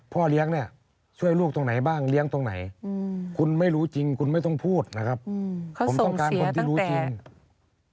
เขาส่งเสียตั้งแต่ขึ้นม๒ม๓คือเราอยู่กับพ่ออย่างนี้